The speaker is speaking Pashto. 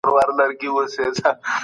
د مطالعې نسل يو ويښ او بيدار نسل دی.